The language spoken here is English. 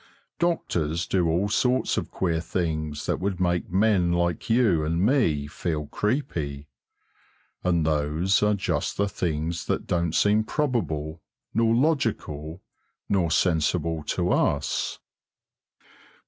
Doctors do all sorts of queer things that would make men like you and me feel creepy, and those are just the things that don't seem probable, nor logical, nor sensible to us.